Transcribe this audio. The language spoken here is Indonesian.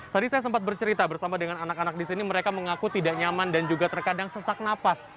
tadi saya sempat bercerita bersama dengan anak anak di sini mereka mengaku tidak nyaman dan juga terkadang sesak napas